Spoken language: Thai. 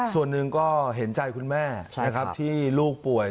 ส่วนหนึ่งก็เห็นใจคุณแม่นะครับที่ลูกป่วย